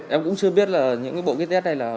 em cũng chưa biết là những bộ kit test này